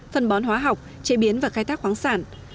phân bón hóa học chế biến và khai thác khoáng sản